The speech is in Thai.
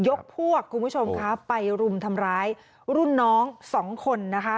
ยกพวกคุณผู้ชมค่ะไปรุมทำร้ายรุ่นน้องสองคนนะคะ